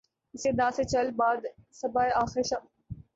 اسی انداز سے چل باد صبا آخر شب